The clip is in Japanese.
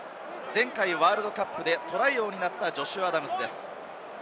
前回のワールドカップでトライ王になったジョシュ・アダムズです。